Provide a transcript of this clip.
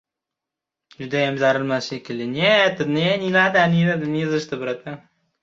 — Judayam zarilmas shekilli.